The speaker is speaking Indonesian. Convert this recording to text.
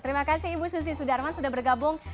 terima kasih ibu susi sudarman sudah bergabung